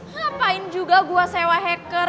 ngapain juga gue sewa hacker